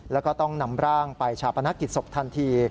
แล้วก็ต้องนำร่างไปชาปนกิจศพทันที